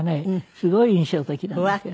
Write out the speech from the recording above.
すごい印象的なんだけど。